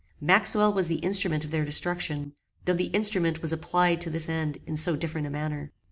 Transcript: Maxwell was the instrument of their destruction, though the instrument was applied to this end in so different a manner.